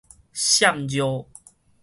滲尿